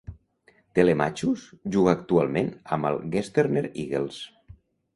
Telemachus juga actualment amb els Gestetner Eagles.